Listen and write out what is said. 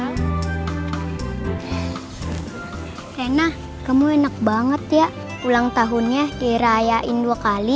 hena kamu enak banget ya ulang tahunnya dirayain dua kali